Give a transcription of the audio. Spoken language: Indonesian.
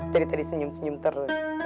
tadi senyum senyum terus